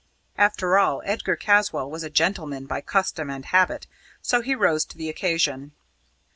After all, Edgar Caswall was a gentleman by custom and habit, so he rose to the occasion.